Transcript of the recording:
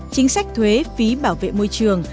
chính sách thuế phí bảo vệ môi trường